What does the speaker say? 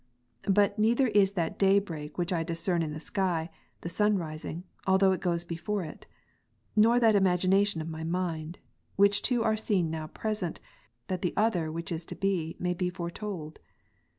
But neither is that day break which I discern in the sky, the sun rising, although it goes before it ; nor that imagination of my mind ; which two are seen now present, that the other which is to be may be foretold.